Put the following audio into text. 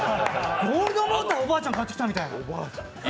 ゴールドモーター、おばあちゃん買ってきたみたいな。